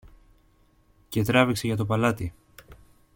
και τράβηξε για το παλάτι.